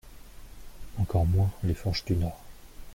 Encore moins les forges du Nord.